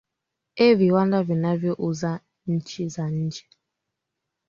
ee viwanda vinavyo uza nchi za nje